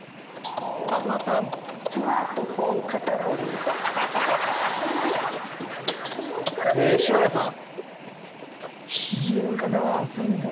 勝又さん塩谷さん